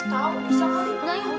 tau bisa kali